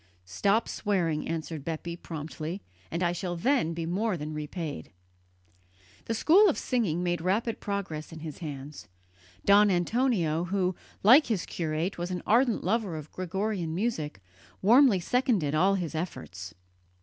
"Stop swearing," answered Bepi promptly, "and I shall then be more than repaid." The school of singing made rapid progress in his hands. Don Antonio, who, like his curate, was an ardent lover of Gregorian music, warmly seconded all his efforts.